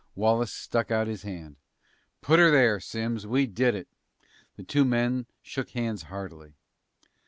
Wallace stuck out his hand. "Put 'er there, Simms. We did it!" The two men shook hands heartily.